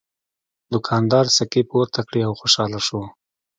دوکاندار سکې پورته کړې او خوشحاله شو.